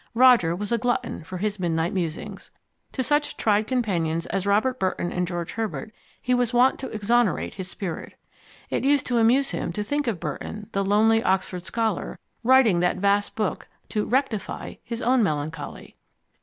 Roger was a glutton for his midnight musings. To such tried companions as Robert Burton and George Herbert he was wont to exonerate his spirit. It used to amuse him to think of Burton, the lonely Oxford scholar, writing that vast book to "rectify" his own melancholy.